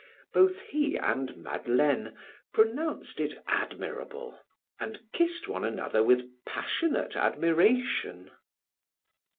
Both he and Madeleine pronounced it admirable and kissed one another with passionate admiration.